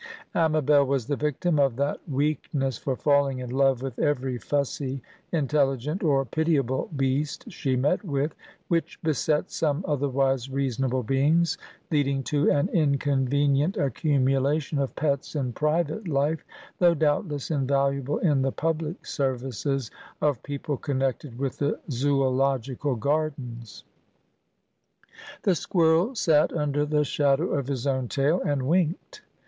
Amabel was the victim of that weakness for falling in love with every fussy, intelligent, or pitiable beast she met with, which besets some otherwise reasonable beings, leading to an inconvenient accumulation of pets in private life, though doubtless invaluable in the public services of people connected with the Zoölogical Gardens. The squirrel sat under the shadow of his own tail, and winked.